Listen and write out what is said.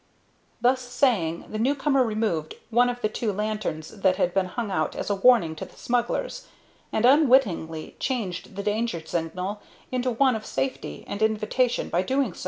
Thus saying, the new comer removed one of the two lanterns that had been hung out as a warning to the smugglers, and unwittingly changed the danger signal into one of safety and invitation by so doing.